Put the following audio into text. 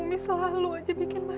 umi sama umi selalu aja bikin masalah